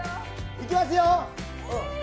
いきますよ。